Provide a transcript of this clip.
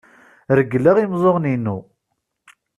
Regleɣ imeẓẓuɣen-inu.